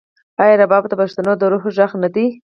آیا رباب د پښتنو د روح غږ نه دی؟